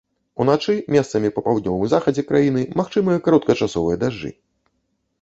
Уначы месцамі па паўднёвым захадзе краіны магчымыя кароткачасовыя дажджы.